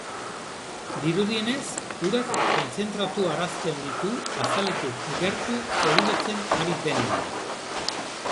Dirudienez urak kontzentratu arazten ditu azaletik gertu solidotzen ari denean.